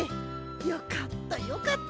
よかったよかった。